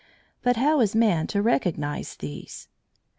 But how is man to recognise these?